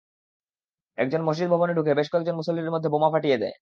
একজন মসজিদ ভবনে ঢুকে বেশ কয়েকজন মুসল্লির মধ্যে বোমা ফাটিয়ে দেয়।